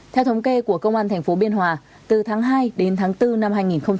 theo thống kê của công an tp biên hòa từ tháng hai đến tháng bốn năm hai nghìn hai mươi